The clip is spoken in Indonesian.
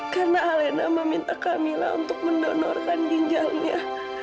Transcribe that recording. karena alena meminta camilla untuk mendonorkan ginjalnya